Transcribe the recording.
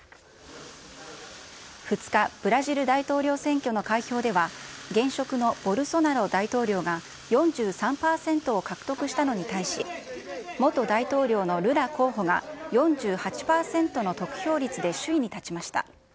２日、ブラジル大統領選挙の開票では、現職のボルソナロ大統領が４３％を獲得したのに対し、元大統領のルラ候補が４８％の得票率で首位に立ちました。